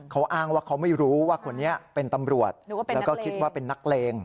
เขาอ้างว่าเขาไม่รู้ว่าคนนี้เป็นตำรวจแล้วก็คิดว่าเป็นนักเลง